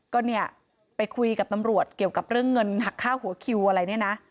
ก็เนี่ยไปคุยกับตำรวจเกี่ยวกับเรื่องเงินหักค่าหัวคิวอะไรเนี่ยนะ